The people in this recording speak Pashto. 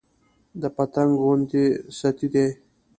د پتنګ غوندې ستي دى